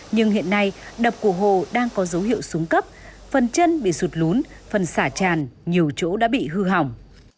nhưng hiện nay đập của hồ đang có dấu hiệu xuống cấp phần chân bị sụt lún phần xả tràn nhiều chỗ đã bị hư hỏng